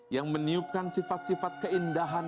yang meniupkan sifat sifat keindahan